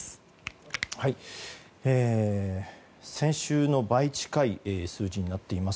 先週の倍近い数字になっています。